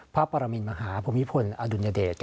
พระปรมินมหาพระมิพลอดุลยเดช